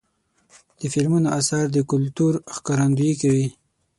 د فلمونو اثار د کلتور ښکارندویي کوي.